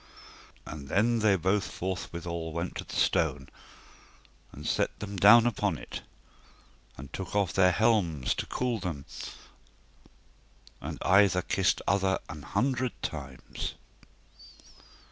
And then they both forthwithal went to the stone, and set them down upon it, and took off their helms to cool them, and either kissed other an hundred times.